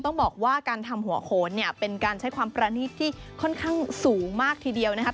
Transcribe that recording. ต้องบอกว่าการทำหัวโขนเนี่ยเป็นการใช้ความประณีตที่ค่อนข้างสูงมากทีเดียวนะครับ